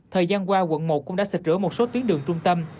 thời gian qua quận một cũng đã xịt rửa một số tuyến đường trung tâm